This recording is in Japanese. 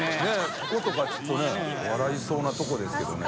こことかちょっとね笑いそうなとこですけどね。